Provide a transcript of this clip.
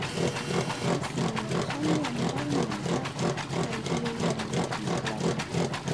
有時唯心論都唔得，係要用唯物論